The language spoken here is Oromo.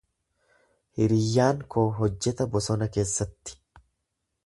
Hiriyyaan koo hojjeta bosona keessatti.